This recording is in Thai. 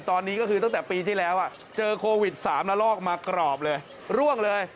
ตอนนี้ก็คือตั้งแต่ปีที่แล้วเจอโควิด๓ละลอกมากรอบเลยร่วงเลย